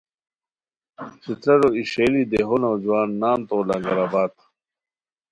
ݯھتررو ای ݰیئلی دیہو نوجوان نام تو لنگر آباد